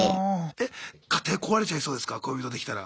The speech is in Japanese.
え家庭壊れちゃいそうですか恋人できたら。